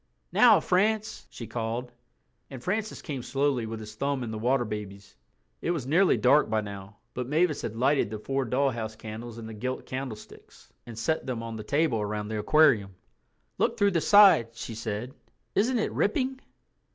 "Now, France," she called. And Francis came slowly with his thumb in The Water Babies. It was nearly dark by now, but Mavis had lighted the four dollhouse candles in the gilt candlesticks and set them on the table around the aquarium. "Look through the side," she said; "isn't it ripping?"